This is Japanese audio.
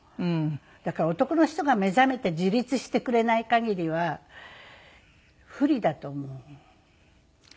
だから男の人が目覚めて自立してくれない限りは不利だと思う女の人。